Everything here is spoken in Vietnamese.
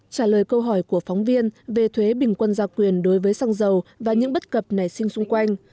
trả lời câu hỏi của phóng viên về thuế bình quân giao quyền đối với xăng dầu và những bất cập nảy sinh xung quanh